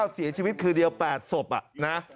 เสียชีวิตคือเดียว๘ศพนะ